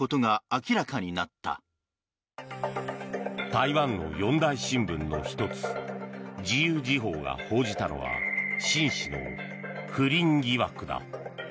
台湾の４大新聞の１つ自由時報が報じたのはシン氏の不倫疑惑だ。